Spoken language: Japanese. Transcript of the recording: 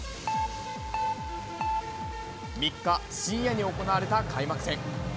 ３日深夜に行われた開幕戦。